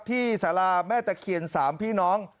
ที่สาราแม่ตะเคียน๓พี่น้อง